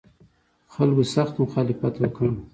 خلکو سخت مخالفت وکړ.